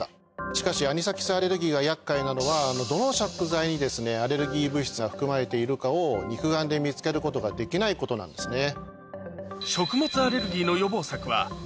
しかしアニサキスアレルギーが厄介なのはどの食材にアレルギー物質が含まれているかを肉眼で見つけることができないことなんですね。